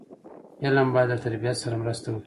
فلم باید له تربیت سره مرسته وکړي